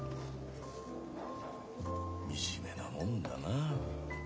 みじめなもんだな。